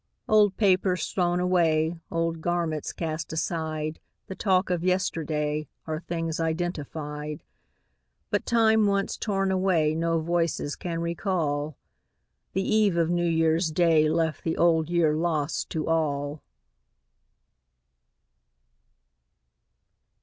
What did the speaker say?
Old papers thrown away, Old garments cast aside, The talk of yesterday, Are things identified; But time once torn away No voices can recall: The eve of New Year's Day Left the Old Year lost to all.